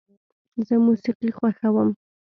زه موسیقي خوښوم.